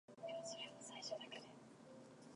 They could hear strange noises and whispering voices.